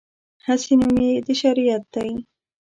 هسې نوم یې د شریعت دی.